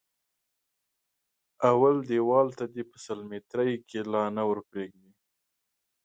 اول دېوال ته دې په سل ميتري کې لا نه ور پرېږدي.